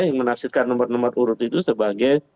yang menafsirkan nomor nomor urut itu sebagai